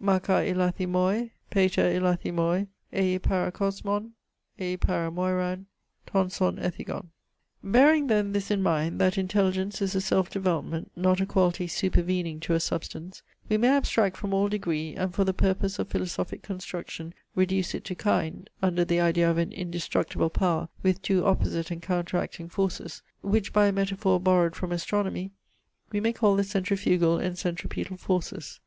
Makar, ilathi moi; Pater, ilathi moi Ei para kosmon, Ei para moiran Ton son ethigon! Bearing then this in mind, that intelligence is a self development, not a quality supervening to a substance, we may abstract from all degree, and for the purpose of philosophic construction reduce it to kind, under the idea of an indestructible power with two opposite and counteracting forces, which by a metaphor borrowed from astronomy, we may call the centrifugal and centripetal forces.